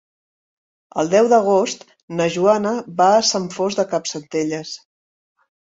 El deu d'agost na Joana va a Sant Fost de Campsentelles.